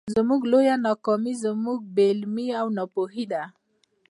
زموږ لويه ناکامي زموږ بې علمي او ناپوهي ده.